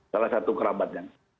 salah satu kerabat